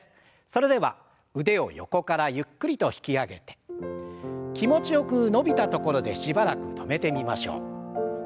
それでは腕を横からゆっくりと引き上げて気持ちよく伸びたところでしばらく止めてみましょう。